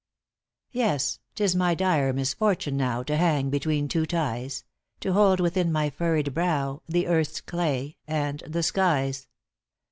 * Yes, 'tis my dire misfortune now To hang between two ties, To hold within my furrowed brow The earth's clay, and the skies.